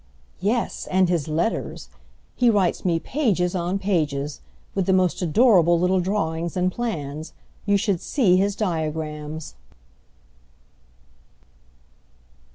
"Yes, and his letters. He writes me pages on pages—with the most adorable little drawings and plans. You should see his diagrams!"